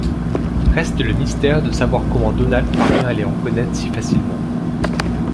Reste le mystère de savoir comment Donald parvient à les reconnaître si facilement.